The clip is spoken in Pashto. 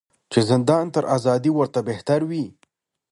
چي زندان تر آزادۍ ورته بهتر وي